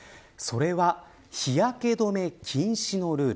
それは日焼け止め禁止のルール。